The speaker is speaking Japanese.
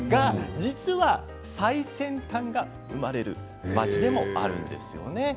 実は最先端が生まれる町でもあるんですよね。